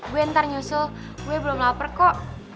gue ntar nyusul gue belum lapar kok